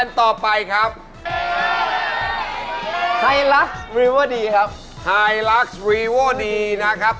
เอาไหนนะครับ